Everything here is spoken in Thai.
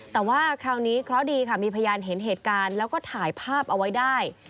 แต่ว่าคราวนี้เคราะห์ดีค่ะมีพยานเห็นเหตุการณ์แล้วก็ถ่ายภาพเอาไว้ได้